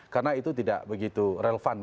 karena itu tidak begitu relevan